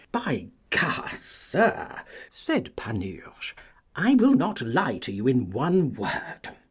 By G , sir, said Panurge, I will not lie to you in one word.